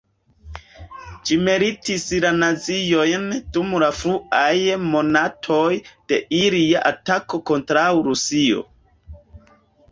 Ĝi meritis la naziojn dum la fruaj monatoj de ilia atako kontraŭ Rusio.